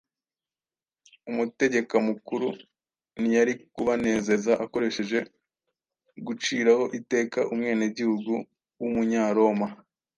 Umutegeka mukuru ntiyari kubanezeza akoresheje guciraho iteka umwenegihugu w’umunyaroma